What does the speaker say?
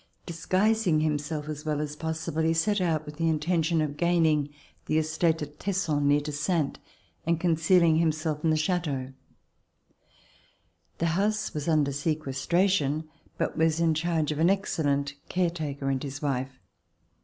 Disguising himself as well as possible, he set C147] RECOLLECTIONS OF THE REVOLUTION out with the intention of gaining the estate of Tesson, near to Saintes, and conceahng himself in the Chateau. The house was under sequestration but was in charge of an excellent care taker and his wife.